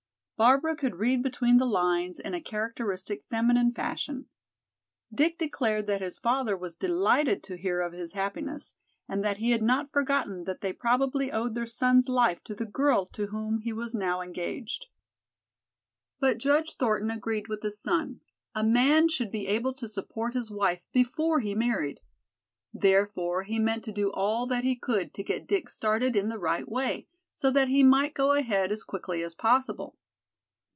Barbara could read between the lines in a characteristic feminine fashion. Dick declared that his father was delighted to hear of his happiness and that he had not forgotten that they probably owed their son's life to the girl to whom he was now engaged. But Judge Thornton agreed with his son a man should be able to support his wife before he married. Therefore he meant to do all that he could to get Dick started in the right way, so that he might go ahead as quickly as possible.